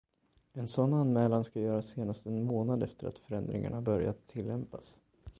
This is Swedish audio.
En sådan anmälan ska göras senast en månad efter att förändringarna börjat tillämpas.